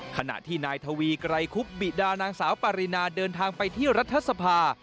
ขณะที่นายทวีไกรคุบบิดานางสาวปารินาเดินทางไปที่รัฐสภา